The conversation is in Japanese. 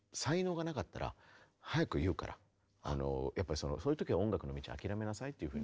その時にそういう時は音楽の道を諦めなさいというふうに。